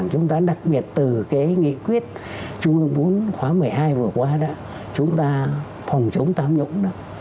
chúng ta đặc biệt từ nghị quyết trung ương bốn khóa một mươi hai vừa qua chúng ta phòng chống tám nhũng